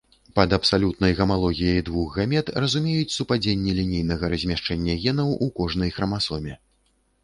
Пад абсалютнай гамалогіяй двух гамет разумеюць супадзенне лінейнага размяшчэння генаў у кожнай храмасоме.